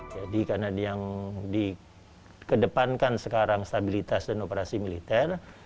karena yang dikedepankan sekarang stabilitas dan operasi militer